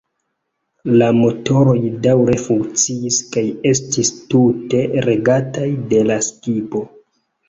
La motoroj daŭre funkciis kaj estis tute regataj de la skipo.